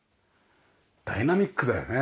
ダイナミックだよね。